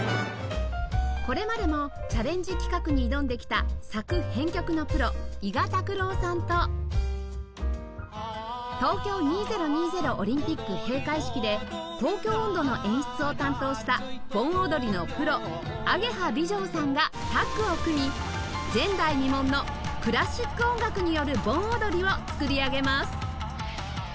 これまでもチャレンジ企画に挑んできた作・編曲のプロ伊賀拓郎さんと東京２０２０オリンピック閉会式で『東京音頭』の演出を担当した盆踊りのプロ鳳蝶美成さんがタッグを組み前代未聞のクラシック音楽による盆踊りを作りあげます